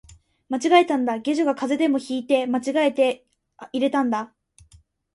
間違えたんだ、下女が風邪でも引いて間違えて入れたんだ